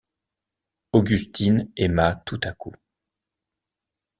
Augustine aima tout à coup.